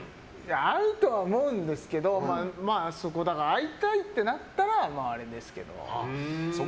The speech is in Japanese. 合うとは思うんですけど会いたいってなったらあれですけど。